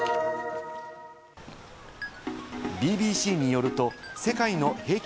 ＢＢＣによると、世界の平均